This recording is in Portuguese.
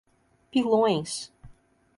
Pilões